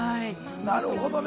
なるほどね。